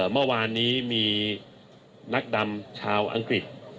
เมื่อวานนี้มีนักดำชาวอังกฤษ